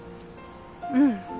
うん。